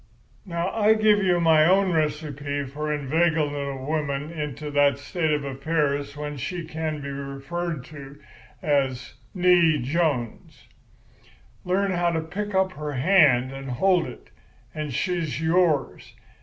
"Now, I give you my own recipe for inveigling a woman into that state of affairs when she can be referred to as 'née Jones.' Learn how to pick up her hand and hold it, and she's yours.